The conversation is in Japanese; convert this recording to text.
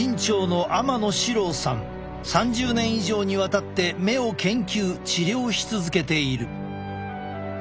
３０年以上にわたって目を研究治療し続けている。